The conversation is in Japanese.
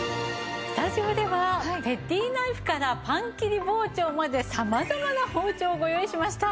スタジオではペティナイフからパン切り包丁まで様々な包丁をご用意しました。